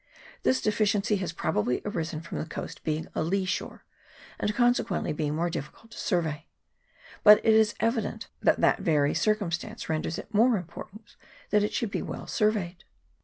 This deficiency has probably arisen from the coast being a lee shore, and conse quently being more difficult to survey ; but it is evi dent that that very circumstance renders it more important that it should be well surveyed.